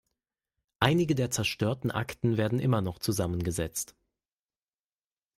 Einige der zerstörten Akten werden immer noch zusammengesetzt.